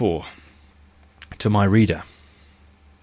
54 To my Reader.